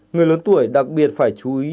người lớn tuổi đặc biệt phải chú ý